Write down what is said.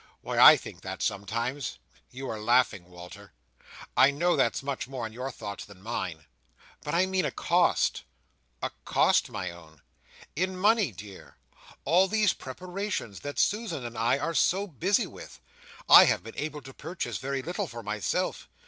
Why, I think that sometimes." "You are laughing, Walter. I know that's much more in your thoughts than mine. But I mean a cost. "A cost, my own?" "In money, dear. All these preparations that Susan and I are so busy with—I have been able to purchase very little for myself.